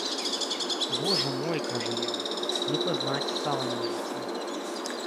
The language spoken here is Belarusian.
Божа мой, кажа ён, не пазнаць стала немца.